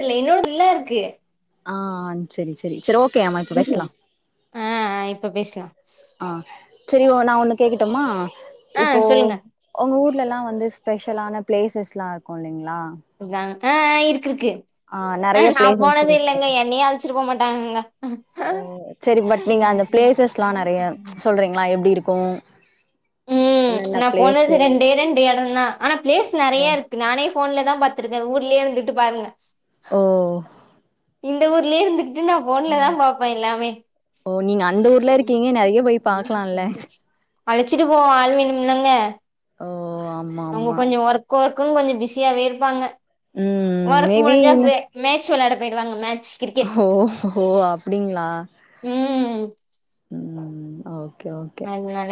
இல்ல என்னோட இல்ல இருக்கு ஆ செரி செரி செரி ஓக்கே ஆமா இப்ப பேசலா ஆ இப்ப பேசலா ஆ செரி ஓ நா ஒண்ணு கேக்கட்டுமா ஆ இப்போ சொல்லுங்க உங்க ஊர்ல எல்லா வந்து ஸ்பெஷலான பிளேசஸ்ல்லா இருக்கு இல்லைங்களா க ஆ ஆ இருக்கு இருக்கு ஆ நெறைய நா பிளேசஸ் போனதே இருக்கு இல்லைங்க என்னைய ச்சுட்டு போக மாட்டாங்கங்க ஓ செரி பட் நீங்க அந்த பிளேசஸ்ல்லா நறைய ம்ச் சொல்றீங்களா எப்டி இருக்கு உம் என்னென்ன நா பிளேஸு போனது ரெண்டே ரெண்டு எடந்தா ஆனா பிளேஸ் நறையா இருக்கு நானே போன்லதா பாத்துருக்கே ஊர்லயே இருந்துட்டு பாருங்க ஓ இந்த ஊர்லயே இருந்துகிட்டு நா போன்ல தா பாப்பே எல்லாமே ஓ நீங்க அந்த ஊர்ல இருக்கீங்க நறைய போய் பாக்கலால்ல அழச்சிட்டு போவ ஆள் வேணுலங்க ஓ ஆமா அவங்க ஆமா கொஞ்சு ஒர்க் ஒர்க்கன்னு கொஞ்சு பிஸியாவே இருப்பாங்க ம் ஒர்க் மேபி முடிஞ்சா வே மேட்ச் வெளாட போயிடுவாங்க மேட்ச் கிரிக்கெட் ஓ ஓ அப்டிங்களா உம் உம் ஓக்கே ஓக்கே அதனால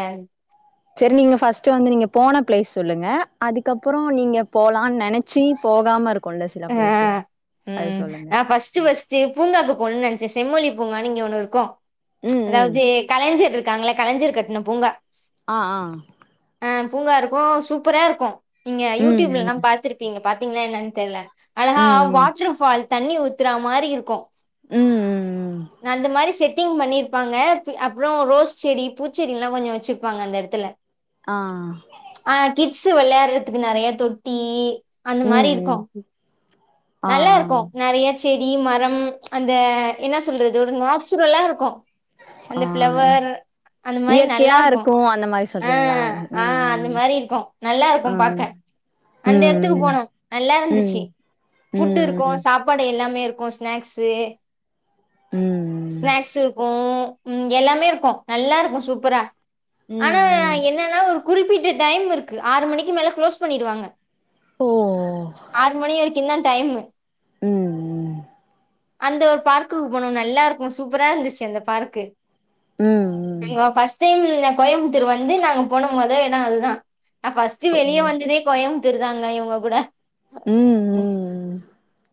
சரி நீங்க ஃபர்ஸ்ட்டு வந்து நீங்க போன ப்ளேஸ் சொல்லுங்க அதுக்கப்றோ நீங்க போலானு நெனச்சி போகாம இருக் கொள்ள சில ஆ பிளேஸு அது சொல்லுங்க னச்சி பூங்காக்கு போணும்னு நெனச்சே செம்மொழி பூங்கான்னு இங்க ஒண்ணு இருக்கு ம் ம் அதாவது கலைஞர் இருக்காங்களா கலைஞர் கட்டுன பூங்கா ஆ ஆ ஆ பூங்கா இருக்கு சூப்பரா இருக்கு நீங்க ம் யூடியூப்லல்லா ம் பாத்துருப்பீங்க பாத்தீங்கன்னா என்னன்னு தெரியல அழகா ம் வாட்டர் ஃபால்ஸ் தண்ணி ஊத்துற மாரி இருக்கு ம் ம் ம் ம் நா அந்த மாரி செட்டிங் பண்ணிருக் ப்பாங்க அப்புறோ ரோஸ் செடி பூச்செடி எல்லா கொஞ்சு வெச்சிருப்பாங்க அந்த எடத்துல ஆ ஆ கிட்ஸ் வெளையாடுறதுக்கு நெறைய தொட்டி அந்த ம் மாரி இருக்கு ம் ஆ நல்லா இருக்கு நெறைய செடி மரம் அந்த என்ன சொல்றது ஒரு நெச்சுரல்லா இருக்கு ஆ அந்த ஆ ஃபிளவர் அந்த மாரி நல்லா இயற்கையா இருக்கு அந்த மாரி சொல்றீங்ளா ம் ஆ அந்த மாரி இருக்கு நல்லா ஆ இருக்கு பாக்க அந்த எடத்துக்கு ம் போனோ நல்லா ம் இருந்துச்சு ம் ஃபுட் இருக்கு ம் சாப்பாடு எல்லாமே இருக்கு ஸ்நாக்ஸ்சு ம் ஸ்நாக்ஸ் இருக்கோ ம் எல்லாமே இருக்கோ நல்லா இருக்கு சூப்பரா ஆனா ம் என்னன்னா ஒரு குறிப்பிட்ட டைம் இருக்கு ஆறு மணிக்கு மேல குளோஸ் பண்ணிடுவாங்க ஓ ஆறு மணிவரிக்கு தா டைமு ம் ம் அந்த ஒரு பார்க்குக்கு போனோ நல்லா இருக்கு சூப்பரா இருந்துச்சு அந்த பார்க்கு ம் ம் இங்க பர்ஸ்ட் டைம் கோயம்புத்தூர் வந்து நாங்க போன மோத எடோ அதுதா நா ஃபர்ஸ்ட்டு வெளிய ஓ வந்ததே கோயம்பத்தூர் தாங்க இவங்க கூட ம் ம்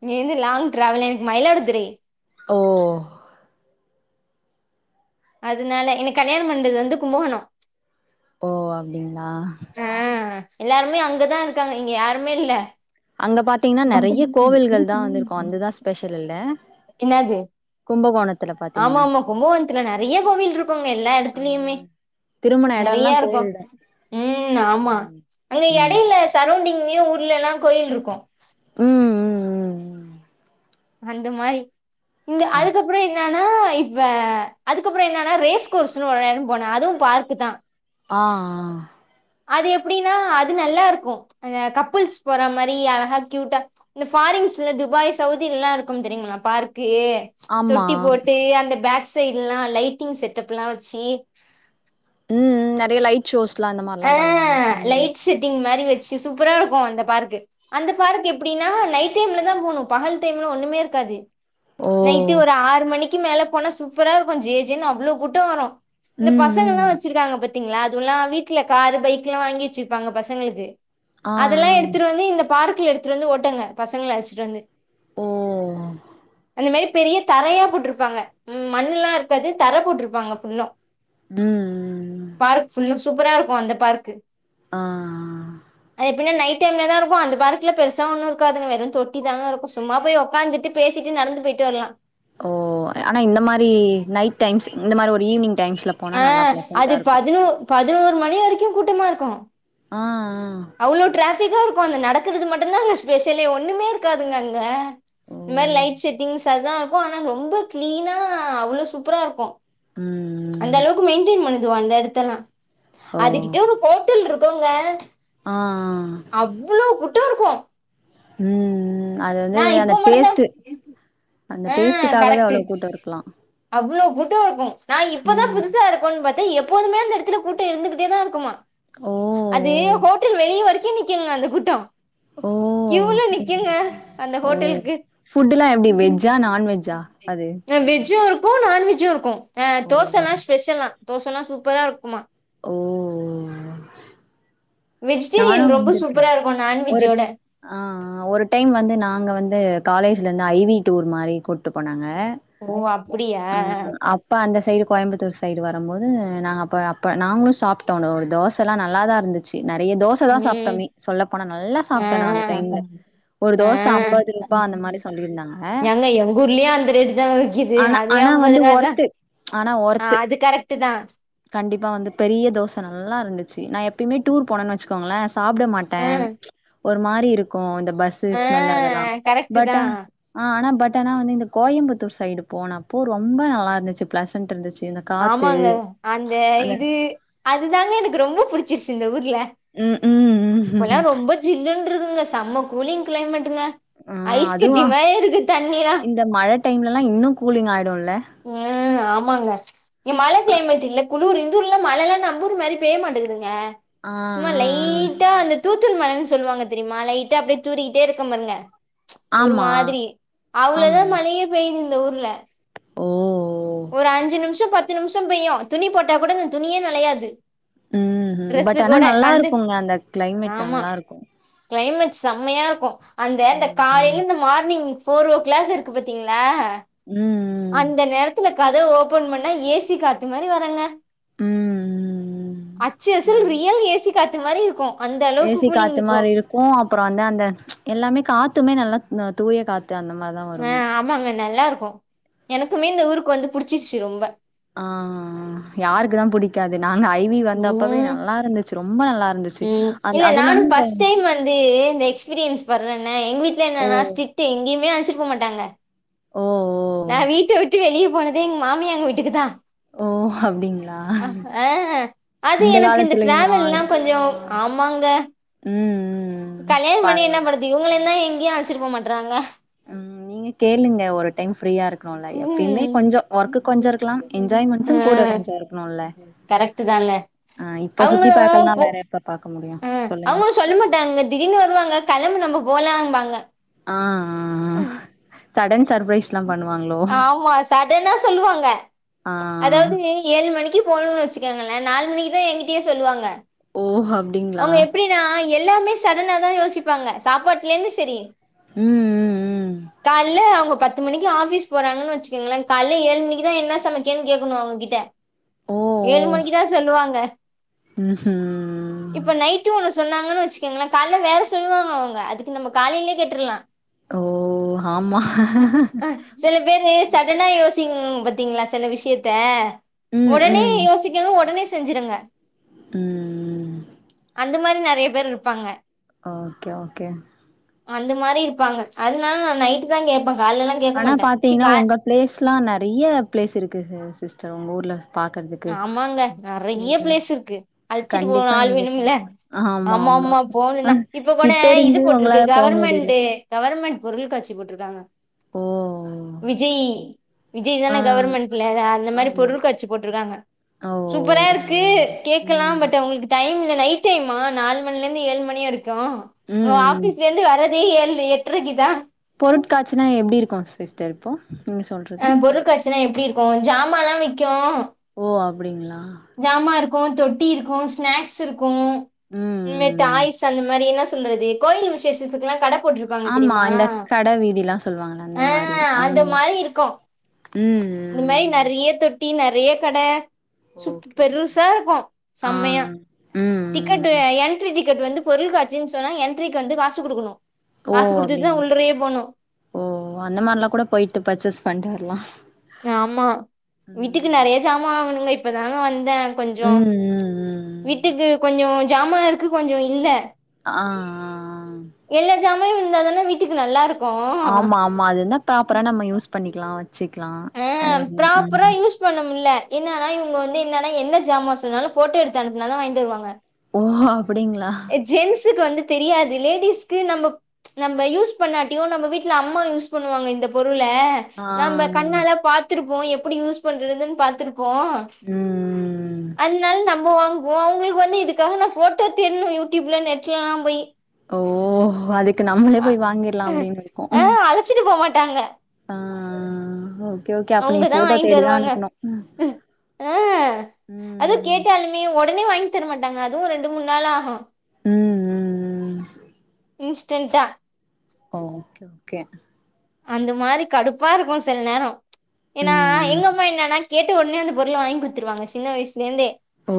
இங்க இருந்து லாங் டிராவல் எனக்கு மயிலாடுதுறை ஓ அதனால எனக்கு கல்யாண பண்றது வந்து கும்பகோணோ ஓ அப்டிங்களா ஆ எல்லாருமே அங்கதா இருக்காங்க இங்க யாருமே இல்ல அங்க பாத்தீங்கன்னா நெறைய கோவில்கள் தா வந்துருக்கு அதுதா ஸ்பெஷல் இல்ல என்னது கும்பகோணத்துல பா ஆமா ஆமா கும்பகோணத்துல நறைய கோவில் இருக்குங்க எல்லா ஆ எடத்துலயுமே திரும்புன எடோல்லா நறைய இருக்கோ கோவில் தா ம் ஆமா ம் அங்க ம் எடையில சரோடிங்க்லயு ஊர்ல எல்லா கோயில்ருக்கோ ம் ம் ம் அந்த மாரி இந்த ஆ அதுகப்புறோ என்னா னா இப்ப அதுக்கப்புறோ என்னனா ரேஸ் கோர்ஸ்ன்னு ஒரு எடோ போனே அதுவு பார்க்குதா ஆ ஆ அது எப்டின்னா அது நல்லா இருக்கோ அந்த கப்புள்ஸ் போற மாரி அழகா க்யூட்டா இந்த ஃபாரின்ஸ்சு துபாய் சவுதிலலா இருக்கு தெரியுங்களா பார்க்கு ஆமா தொட்டி போட்டு அந்த பக் சைடு் லா லைட்டிங் செட்டப்லா வெச்சி ம் ம் நறைய லைட் ஷோஸ் ஆ லைட் செட்டிங் மாரி வெச்சு சூப்பரா இருக்கோ அந்த பார்க்கு அந்த பார்க் எப்டின்னா நைட் டைம்ல தா போணு பகல் டைம்ல ஒண்ணுமே இருக்காது ஒ நைட்டு ஒரு ஆறு மணிக்கு மேல போனா சூப்பரா இருக்கோ ஜேஜேன் அவ்ளோ கூட்டோ வரோ இந்த பச் ம் பசங்களா ம் வச்சிருக்காங்க பாத்தீங்களா அதுவுலா வீட்டுல காரு பைக்லா வாங்கி வெச்சிருப்பாங்க பசங்களுக்கு ஆ அதெல்லா ஆ எடுத்துறு வந்து இந்த பார்க்ல எடுத்துடுவந்து ஓட்டுங்க பசங்கள அழச்சிட்டு வந்து ஓ இந்த மேரி பெரிய தரையா போட்ருப்பாங்க ம் மண்லா இருக்காது தர போட்ருப்பாங்க ஃபுல்லா ம் ம் பார்க் ஃபுல்லா சூப்பரா இருக்கோ அந்த பார்க்கு ஆ ஆ அது எப்டின்னா நைட் டைம்லதா இருக்கு அந்த பார்க்ல பெருசா ஒண்ணு இருக்காதுங்க வெறு தொ ட்டி தாங்க இருக்கோ சும்மா போய் ஒக்காந்துட்டு பேசிட்டு நடந்து போயிட்டு வர்லா ஓ ஆனா இந்த மாரி நைட் டைம்ஸ் இந்த மாரி ஒரு ஈவினிங் டைம்ஸ்ல போனா ஆ நல்லா அது ப்ளசன்ட்டா இருக்கும். பதினொ பதினோரு மணி வரைக்கு கூட்டமா இருக்கோ ஆ ஆ அவ்ளோ டிராஃபிக்கா இருக்கோ அந்த நடக்குறது மட்டுதாங்க ஸ்பெஷலே ஒன்னுமே இருக்காதுங்க அங்க ஓ இந் மாரி ம் லைட் செட்டிங்ஸ் அதா இருக்கு ஆனா ரொம்ப க்ளீனா அவ்ளோ சூப்பரா இருக்கோ ம் அந்த அளவுக்கு மெயின்டெயின் பண்ணுதுவோ அந்த எடத்தெல்லா ஓ அதுகிட்ட ஒரு ஹோட்டல் இருக்கோங்க ஆ அவ்ளோ கூட்டோ இருக்கோ ம் ம் ந அது வந்து இப்போ அந்த மட்டும்தான் டேஸ்ட் அந்த ஆ டேஸ்டுக்காகவ கரெக்ட் அவ்ளோ கூட்டம் இருக்கலாம் அவ்ளோ கூட்டோ இருக்கோ நா இப்பதா ம் புதுசா இருக்கோ பார்த்த எப்போதுமே அந்த இடத்துல கூட்டோ இருந்துகிட்டே தா இருக்குமா ஓ அது ஹோட்டல் வெளிய வரைக்கு நிக்குங்க அந்த கூட்டோ ஓ ஓ கியூல அப்டிங்களா நிக்குங்க அந்த ஓ ஹோட்டலுக்கு ஃபுட்டு்லாம் எப்டி வெஜ்ஜா நான்வெஜ்ஜா அது? வெஜ்ஜும் இருக்கும் நான்வெஜ்ஜும் இருக்கும் ஆ ஓ தோசை எல்லாம் ஸ்பெஷல்லாம் தோசைல்லாம் சூப்பராக இருக்குமா ஓ ஓ நானு வெஜிடேரியன் ரொம்ப சூப்பரா இருக்கும் நான்வெஜ்ஜோட அ அ ஒரு டைம் வந்து நாங்க வந்து காலேஜ்லேருந்து ஐவி டூர் மாரி கூப்ட்டு போனாங்க ஓ அப்டியா அ அப் அப்போ அந்த சைடு கோயம்புத்தூர் சைடு வரும்போது நாங்க அப்போ அப்ப நாங்களும் சாப்பிட்டோம் ஒரு தோசல்லாம் நல்லாதான் இருந்துச்சு சேர் நறைய தோச தான் ம் சாப்பிட்டோமே சொல்ல போனா நல்லா ஆ சாப்பிட்டே நா அந்த டைம்ல ஒரு ஆ தோச அம்பது ரூபா அந்த மாரி சொல்லியிருந்தாங்க எங்க எங்கூர்லயும் அந்த ரேட்டுதான் விக்கிது ஆனா அதே ஆனா அம்பது வந்து ரூபா தான் ஒர்த்து ஆனா ஒர்த்து அது கரெக்ட்டு தான் கண்டிப்பா வந்து பெரிய தோசை நல்லா இருந்துச்சு நான் எப்பயுமே டூர் போனேன்னு வச்சுக் கோங்களே சாப்ட ஆ மாட்டேன் ஒரு மாரி இருக்கும் இந்த பஸ் சு ஆ ஸ்மெல்லெல்லாம் கரெக்ட்டு பட் தா அ ஆ ஆனா பட் ஆனா வந்து இந்த கோயம்புத்தூர் சைடு போனப்போ ரொம்ப நல்லா இருந்துச்சு பிளசன்ட் இருந்துச்சு இந்த காத்து ஆமாங்க அந்த இது அதுதாங்க எனக்கு ரொம்ப புடிச் சிருச்சி இந்த ஊர்ல ம் ம் ம் இப்பல்லாம் ரொம்ப ஜில்லுன்று இருக்குங்க செம்ம கூலிங் கிளைமேட்டுங்க ஆ ஐஸ் கட்டி அதுவான் மாரி இருக்கு தண்ணிலா இந்த மழ டைம்லல்லாம் இன்னும் கூலிங் ஆய்டும்ல ம் ஆமாங்க இங்க மழ கிளைமேட் இல்ல குளூர் ர்ல மழல்லாம் நம்பூர் மேரி பேய மாட்டேங்கதுங்க ஆ சும்மா ஆ ஆ லைட்டா அந்த தூத்துள் மழைன்னு சொல்லுவாங்க தெரியுமா லைட்டா அப்டே தூறிக்கிட்டே இருக்க பாருங்க ஒரு ஆமா மாதிரி ஆமா அவ்ளோதான் மழையே பெய்து இந்த ஊர்ல ஓ ஓ ஒரு அஞ்சு நிமிஷம் பத்து நிமிஷம் பெய்யும் துணி போட்டா கூட இந்த துணியே நனையாது ம்ம் ட்ரெஸ்ஸு பட் ஆனா கூட நல்லா இருக்குங்க அந்த கிளைமேட் ஆமா நல்லா இருக்கும் கிளைமேட் செம்மையா இருக்கும் அந்த அந்த ம் காலையில் இந்த மார்னிங் ஃபோர் ஓ கிளாக் இருக்கு பாத்தீங்களா ம் ம் அந்த நேரத்துல கதவ ஓபன் பண்ணா ஏசி காத்து மாரி வருங்க ம் அச்சு அசல் ம் ரியல் ஏசி காத்து மாரி இருக்கும் அந்த அளவுக்கு கூலிங் இருக்கும் இருக்கும் அப்பறோ வந்து அந்த எல்லாமே காத்துமே நல்லா தூய காத்து அந்த மாரிதான் ஆ வருமே ஆமாங்க நல்லா இருக்கும் எனக்குமே இந்த ஊருக்கு வந்து புடிச்சிருச்சு ரொம்ப அ அ அ யாருக்கு தான் புடிக்காது நாங்க ஐவி வந்தப்பவே ம் நல்லா இருந்துச்சு ரொம்ப நல்லா இருந்துச்சு ம் அந்த இல்ல அதுவு இல்லாம நானும் இந்த ஃபஸ்ட் டைம் வந்து இந்த எக்ஸ் பீரியன்ஸ் படுறேன்ன எங்க வீட்ல ஓ என்னன்னா ஸிட்டு எங்கேயுமே அழச்சிட்டு போக மாட்டாங்க ஓ ஓ நா வீட்ட விட்டு வெளியே போனதே எங்க மாமியார் வீட்டுக்குதான் ஓ ஓ அப்டிங்களா ஹ அ அது எனக்கு இந்த டிராவல்லாம் கொஞ்சோம் ஆமாங்க ம் ம் கல்யாணம் பண்ணி என்ன பரவால்ல பன்றது இவுங்களையுந்தா எங்கயு அழச்சிட்டு போ மாட்றாங்க ம் நீங்க கேளுங்க ஒரு டைம் ஃப்ரீயா இருக்கணுல்ல எப்பயுமே ம் கொஞ்சோ ஒர்க்கு கொஞ்சோ இருக்கலா ஆ என்ஜாய்மெண்ட்ஸும் கூட கொஞ்சோ இருக்கணுல்ல கரெக்ட் தாங்க ஆ இப்ப சுத்தி அவுங்களு பாக்கலனா வேற பாக்க முடியு ம் சொல்லுங்க அவங்களு சொல்ல மாட்டாங்கங்க திடீர்னு வருவாங்க களம்பு நம்ம போலாம்பாங்க ஆ அ அ சடன் சர்ப்ரைஸ் ஆமா சடனா சொல்லுவாங்க ஆ அதாவது ஏழு மணிக்கு போகணுனு வச்சுக்கோங்களே நாலு மணிக்குதா எங்கிட்டயே சொல்லுவாங்க ஓஹ் அப்டிங்களா என்னனா எல்லாமே சடனாதா யோசிப்பாங்க சாப்பாட்லேந்து சரி ம் ம் ம் கால்ல அவுங்க பத் பத்து மணிக்கு ஆஃபீஸ் போறாங்கனு வச்சீகங்களே கால்ல ஏழு மணிக்கிதா என்ன சமைக்கனு கேட்கணு அவுங்ககிட்ட ஓ ஓ ஏழு மணிக்குதா சொல்லுவாங்க ம்ஹும் இப்ப நைட்டு ஒன்னு சொன்னாங்கன்னு வச்சிக்கங்களே கால்ல வேற சொல்லுவாங்க அவுங்க அதுக்கு நம்ம காலையிலே கேட்ர்லா ஓ ஹாமா செல பேரு சடனா யோசிங் பாத்தீங்களா செல விஷயத்த ம் ஒடனே ம் யோசிக்கனு ஒடனே செஞ்சிடுங்க ம்ம் அந்த மாரி நெறைய பேர் இருப்பாங்க ஓகே ஓகே அந்த மாரி இருப்பாங்க அதுனால நா நைட்டுதா கேப்பே கால்லலா கேக்க ஆனா மாட்டே சி பாத்தீங்கனா கா உங்க பிளேஸ்லா நெறைய பிளேஸ் இருக்கு சிஸ்டர் உங்க ஊர்ல பாக்குறதுக்கு ஆமாங்க நறைய நீங்க பிளேஸ் இருக்கு அல்சீட்டு போக கண்டிப்பா ஆள் நீங்க வேணுல பாக்கலா ஆமா ஆமா போணு ஆ தா இப்ப கூட கிட்ட இது இருந்து போட்ருக்கு உங்களால போ முடியல கவர்மெண்டு கவர்மெண் பொருள்காட்சி போட்ருகாங்க ஓ விஜெய் விஜய் ஆ தான கவர்மெண்ட்ல அந்த மாரி ஆமா பொருள் காட்சி போட் ருக்காங்க ஓ சூப்பரா இருக்கு கேக்கலா ம் பட் அ வுங்ளுக்கு டைம் இல்ல நைட் டைமா நாலு மணிலருந்து ஏழு மணிவரிக் கு ம் ஆபீஸ்லருந்து வரதே ஏழு எட்ரைக்குதா பொருட்காட்சினா எப்டி இருக்கு சிஸ்டர் இப்போ நீங்க சொல்றது அ பொருட்காட்சினா எப்டி இருக்கு ஜாமாலா விக்கு ஓ அப்டிங்களா ஜாமா இருக்கு தொட்டி இருக்கு ஸ்நாக்ஸ் இருக் கு ம் இந்த ம் டாய்ஸ் அந்த மாரி என்ன சொல்றது கோயில் விசேஷத்துக்லா கட போட்ரு ஆமா இந்த கடை வீதிலா சொல்வாங்கள அந்த ஆ மாரி ஆ அந்த மாரி இருக்கு ம் இந்த மாரி ம். நெறைய தொட்டி நெறைய கட சுப் ஓகே ஓகே பெருசா இருக்கு ஆ ம் செமையா டிக்கெட்டு ம் என்ட்ரி டிக்கெட் வந்து பொருள்காட்சினு சொன்னா என்ட்ரீக்கு வந்து காசு குடுக்கணு ஓ காசு குடுத்துட்டுதா அப்டிங்கா உள்ளறயே போணு ஓ அந்த மாரிலா கூட போய்ட்டு பர்சேஸ் பண்ட்டு வர்லா ஆமா வீட்டுக்கு நெறைய ஜாமா வாங்கனுங்க இப்பதாங்க வந்தே கொஞ்சோ ம் ம் ம் வீட்டுக்கு கொஞ்சோ ஜாமா இருக்கு கொஞ்சோ இல்ல ஆ எல்லா ஜாமாயு இருந்தா தானா வீட்டுக்கு நல்லா இருக் ஆமா ஆமா அது இருந்தா ப்ராபரா நம்ம யூஸ் பண்ணிக்கலா வச்சீக்கலா எல்லாமே ம் இது பண்ண முடியல என்னதா இவுங்க வந்து இன்னான எந்த ஜாமா சொன்னாலு போட்டோ எடுத்து அனுபுனாத வாங்கிட்டு வருவாங்க ஓ அப்டிங்களா ஜென்ஸ்கு வந்து தெரியாது லேடிஸ்கு நம்ம நம்ம யூஸ் பண்ணாட்டியு நம்ம வீட்ல அம்மா யூஸ் பண்ணுவாங்க இந்த பொருள‌ ஆ நம்ம பாத்துருப்போ எப்படி யூஸ் பண்றதுனு பாத்துருப்போ ம் ம் ம் அதுனால நம்ம வாங்குவோ அவுங்களுக்கு வந்து இதுக்காக நா போட்டோ தேடணு யூடிப்ல நெட்லலா போய் ஓ அதுக்கு நம்ளே போய் வாங்கிடலா அப்டினு இருக்கு வச்சிட்டு போமாட்டாங்க ஆ ஆ ஆ ஓகே ஓகே அப்ப நீ போட்டோ தேடிதா அனுப்புபணு அஹ் அதுவு கேட்டாலுமே உடனே வாங்கி தரமாட்டாங்க அதுவு ரெண்டு மூணு நாள் ஆகு ம் ம் ம் இன்ஸ்டெண்ட்டா ஓ ஓகே ஓகே அந்த மாரி கடுப்பா இருக்கு சில நேரம் ஏனா ம் எங்க அம்மா என்னனா கேட்ட உடனே அந்த பொருள வாங்கி குடுத்துருவாங்க சின்ன வயசுலருந்தே ஓ ஓ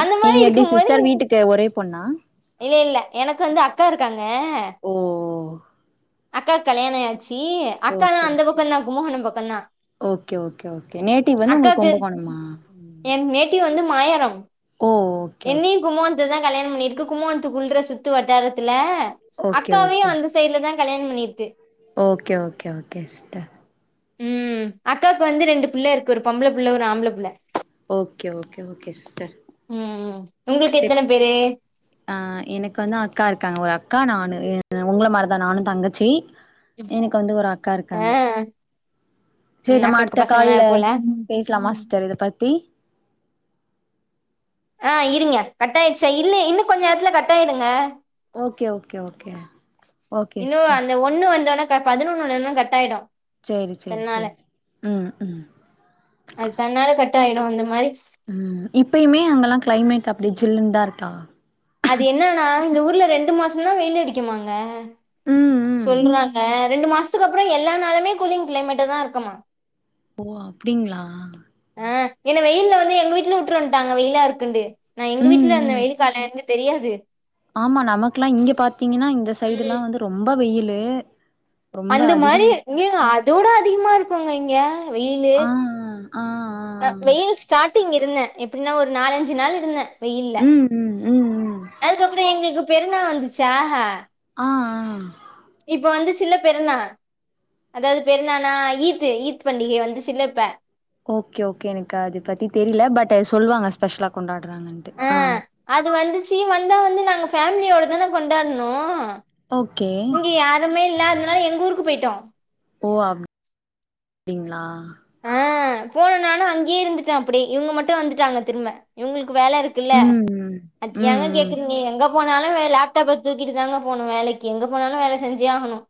அந்த மாரி நீங்க எப்டி இருக்கும் போது சிஸ்டர் வீட்டுக்கு ஒரே பொண்ணா இல்ல இல்ல எனக்கு வந்து அக்கா இருக்காங்க ஓ ஓ அக்காக் கல்யாணம் ஆயாச்சு அக்காளா ஓகே அந்த ஓகே பக்கம்தா கும்பகோணோ பக்கம்தா ஓகே ஓகே ஓகே நேட்டிவ் வந்து உங்களுக்கு அக்காக்கு கும்பகோணமா என் நேட்டிவ் வந்து மாயாரம் ஓ ஓ என்னியு கும்பகோணத்துல தா கல்யாணம் பண்ணிருக்கு கும்பகோனத்துக்குள்ற சுத்து வட்டாரத்துல ஓகே அக்காவயு ஓகே அந்த சைட்ல தா கல்யாண பண்ணிருக்கு ஓகே ஓகே ஓகே சிஸ்டர் உம் அக்காவுக்கு வந்து ரெண்டு புள்ள இருக்கு ஒரு பொம்பள புள்ள ஒரு ஆம்பள புள்ள ஓகே ஓகே ஓகே சிஸ்டர் ம் ம் உங்களுக்கு சரி எத்தன பேரு ஆ எனக்கு வந்து அக்கா இருக்காங்க ஒரு அக்கா நானு உங்கள மாரி தா நானு தங்கச்சி எனக்கு வந்து ஒரு அக்கா ஆ இருக்காங்க சேரி ம் நம்ம அக்காக்கு அடுத்த பசங்கல்லா கால்ல இருக்குல்ல பேசலாம சிஸ்டர் இத பத்தி ஆ இருங்க கட் ஆயிடுச்சா இல்ல இன்னு கொஞ்ச நேரத்துல கட் ஆயிடுங்க okay okay okay okay sister இந்த ஒண்ணு வந்தோன்ன கர பதினொன்னுலேந்து கட்டாயிடு சேரி சேரி சேரி சிஸ்டர் ம் ம் அது தன்னால கட் ஆயிடு அந்த மாரி ம் இப்பயுமே அங்கலா கிளைமெட் அப்டி சில்லுனுதா இருக்கா அது என்னானா இந்த ஊர்ல ரெண்டு மாசதா வெயில் அடிக்குமாங்க ம் ம் சொல்றாங்க ரெண்டு மாசத்துக்கு அப்றோ எல்லா நாளுமே கூலிங் கிளைமேட்டு தா இருக்குமா ஓ அப்டிங்களா ஆ என்ன வெயில்ல வந்து எங்க வீட்ல விட்ரு வன்ட்டாங்க வெயிலா இருக்குன்டு நா எங்க ம் வீட்ல இருந்த ம் வெயில் கால தெரியாது ஆமா நமக்லா இங்க பாத்திங்கனா இந்த சைடுலா ம். வந்து ரொம்ப வெயிலு ரொம்ப அந்த மாரி அதிகமா இங்க அதோட அதிகமா இருக்குங்க இங்க வெயிலு ஆ ஆ ஆ அ வெயில் ஸ்டாட்டிங் இருந்த எப்டினா ஒரு நாலஞ்சு நாள் இருந்த வெயில்ல ம் ம் ம் ம் அதுக்கப்றோ எங்ளுக்கு பெருநா வந்துச்சா ஆஆஆ இப்ப வந்துச்சில்ல பெருநா அதாவது பெரு நானா ஈத்து ஈத் பண்டிக வந்துச்சில்ல இப்ப ஓகே ஓகே எனக் அது பத்தி தெரில பட் சொல்வாங்க ஸ்பெஷலா கொண்டாடுறாங்கன்ட்டு ஆ அது வந்துச்சு வந்தோன்னே நாங்க ஃபேமிலியோட தான கொண்டாட்னு ஓகே ஒண்ணுமே இல்ல அதுனால எங்க ஊர்க்கு போய்ட்டோ ஓ [inaudible] ங்களா ஆ போன நானல அங்கே இருந்துட்ட அப்டே இவுங்க மட்டு வந்துட்டாங்க திரும்ம இவுங்களுக்கு வேல இருக்குல்ல ம் ம் அஃகியாங்க ம் ம் கேக்றிங்க எங்கப் போனாலு வே லேப்டாப்ப தூக்கிட்டு தாங்க போனு வேலக்கி எங்க போனாலு வேல செஞ்சே ஆகணு